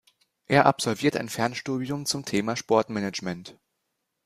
Er absolviert ein Fernstudium zum Thema Sport-Management.